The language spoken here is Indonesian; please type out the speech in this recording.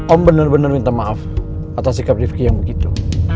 om bener bener minta maaf atas sikap rifqi yang begitu